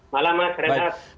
malam mas keren banget